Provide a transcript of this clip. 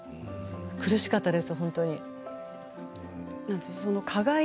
苦しかったです